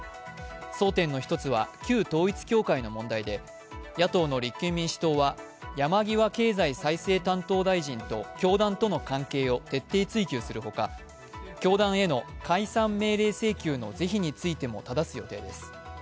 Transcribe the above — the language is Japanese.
争点の一つは、旧統一教会の問題で野党の立憲民主党は山際経済再生担当大臣と教団との関係を徹底追及するほか教団への解散命令請求の是非についてもただす予定です。